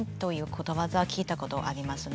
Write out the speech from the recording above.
ことわざ聞いたことありますね。